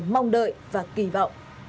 mong đợi và kỳ vọng